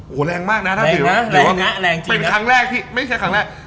โอ้โหแรงมากนะถ้าเกิดว่าเป็นครั้งแรกที่ไม่ใช่ครั้งแรก